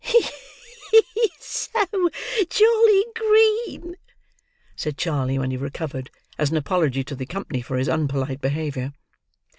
"He is so jolly green!" said Charley when he recovered, as an apology to the company for his unpolite behaviour.